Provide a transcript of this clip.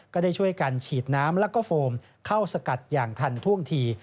ก็ได้ช่วยกันฉีดน้ำแล้วก็โฟมเข้าสกัดอย่างทันท่วงที